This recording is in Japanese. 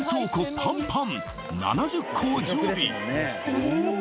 パンパン